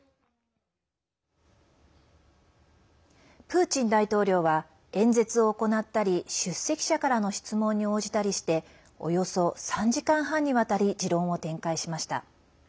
プーチン大統領は演説を行ったり出席者からの質問に応じたりしておよそ３時間半にわたり持論を展開しました。